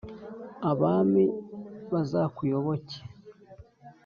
abami bazakuyoboke,